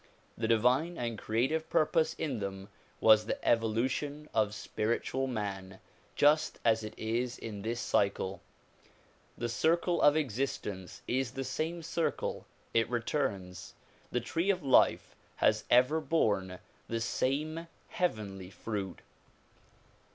The divine and creative purpose in them was the evolution of spiritual man, just as it is in this cycle. The circle of existence is the same circle; it returns. The tree of life has ever borne the same heavenly fruit.